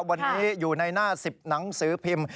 วันนี้อยู่ในหน้า๑๐หนังสือพิมพ์